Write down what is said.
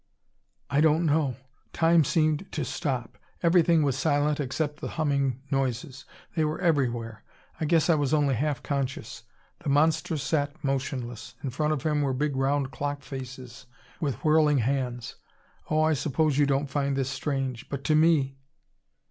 "I don't know. Time seemed to stop. Everything was silent except the humming noises. They were everywhere. I guess I was only half conscious. The monster sat motionless. In front of him were big round clock faces with whirling hands. Oh, I suppose you don't find this strange; but to me